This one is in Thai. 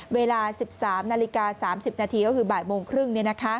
เวลา๑๓นาฬิกา๓๐นาทีก็คือบ่ายโมงครึ่ง